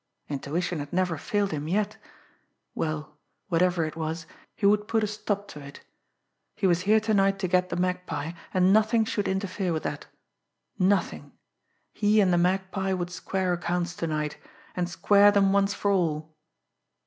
Intuition had never failed him yet. Well, whatever it was, he would put a stop to it. He was here to night to get the Magpie, and nothing should interfere with that. Nothing! He and the Magpie would square accounts to night and square them once for all!